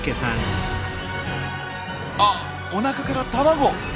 あっおなかから卵！